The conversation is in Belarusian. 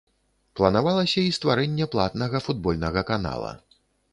Планавалася і стварэнне платнага футбольнага канала.